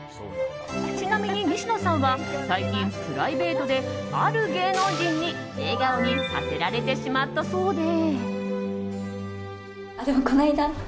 ちなみに西野さんは最近プライベートである芸能人に笑顔にさせられてしまったそうで。